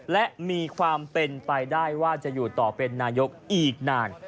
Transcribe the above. และมีความเป็นไปได้ว่าจะอยู่ต่อเป็นนายกอีกนาน